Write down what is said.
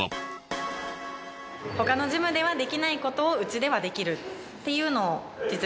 他のジムではできない事をうちではできるっていうのを。